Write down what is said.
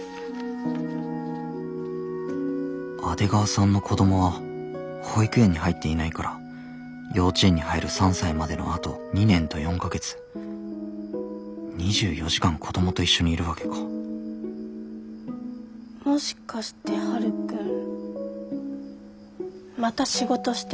阿出川さんの子供は保育園に入っていないから幼稚園に入る３歳までのあと２年と４か月２４時間子供と一緒にいるわけかもしかしてはるくんまた仕事してたりする？